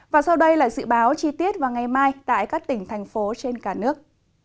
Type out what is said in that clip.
và sau đây là dự báo chi tiết vào ngày mai tại các tỉnh thành phố trên cả nước